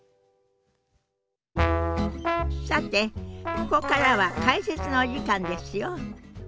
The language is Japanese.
さてここからは解説のお時間ですよ。